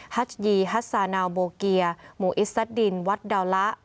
ฮัชยีฮัสซานาวโบเกียหมู่อิสดินวัดดาวละ